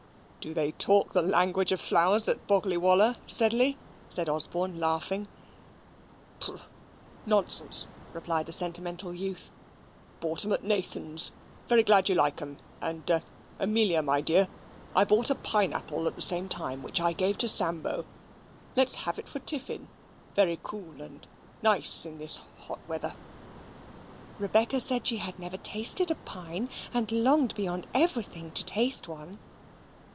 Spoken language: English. "Do they talk the language of flowers at Boggley Wollah, Sedley?" asked Osborne, laughing. "Pooh, nonsense!" replied the sentimental youth. "Bought 'em at Nathan's; very glad you like 'em; and eh, Amelia, my dear, I bought a pine apple at the same time, which I gave to Sambo. Let's have it for tiffin; very cool and nice this hot weather." Rebecca said she had never tasted a pine, and longed beyond everything to taste one.